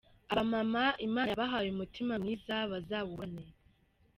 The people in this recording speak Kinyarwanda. Abamama Imana yabahaye umutima mwiza bazawuhorane.